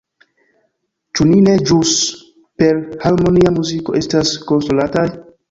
Ĉu ni ne ĵus per harmonia muziko estas konsolataj?